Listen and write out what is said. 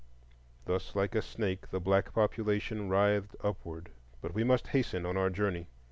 Thus like a snake the black population writhed upward. But we must hasten on our journey.